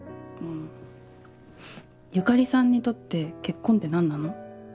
由香里さんにとって結婚ってなんなの？